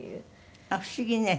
あっ不思議ね。